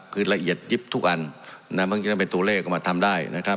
คือละเอียดยิบทุกอันและมันยังเป็นตัวเลขออกมาทำได้นะครับ